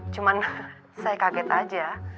cuman saya kaget aja